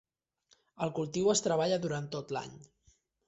El cultiu es treballa durant tot l"any.